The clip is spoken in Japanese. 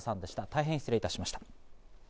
大変、失礼いたしました。